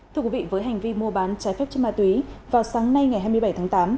thưa quý vị với hành vi mua bán trái phép chất ma túy vào sáng nay ngày hai mươi bảy tháng tám